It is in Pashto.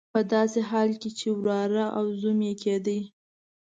په داسې حال کې چې وراره او زوم یې کېدی.